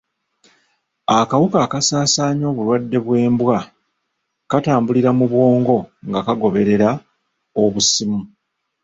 Akawuka akasaasaanya obulwadde bw'embwa katambulira mu bwongo nga kagoberera obusimu